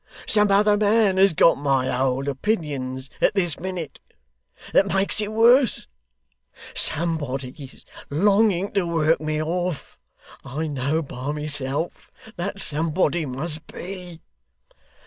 Some other man has got my old opinions at this minute. That makes it worse. Somebody's longing to work me off. I know by myself that somebody must be!